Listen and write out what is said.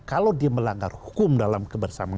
kalau dia melanggar hukum dalam kebersamaan